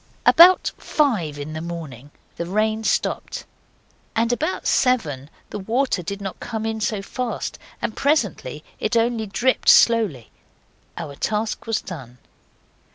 About five in the morning the rain stopped; about seven the water did not come in so fast, and presently it only dripped slowly. Our task was done.